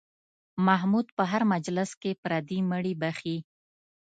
محمود په هر مجلس کې پردي مړي بښي.